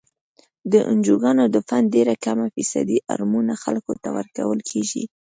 د انجوګانو د فنډ ډیره کمه فیصدي اړمنو خلکو ته ورکول کیږي.